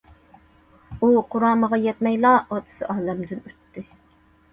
ئۇ قۇرامىغا يەتمەيلا ئاتىسى ئالەمدىن ئۆتتى.